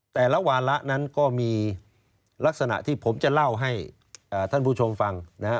แต่ละวาระนั้นก็มีลักษณะที่ผมจะเล่าให้ท่านผู้ชมฟังนะฮะ